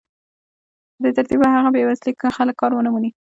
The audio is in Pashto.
په دې ترتیب به هغه بې وسيلې خلک کار ونه مومي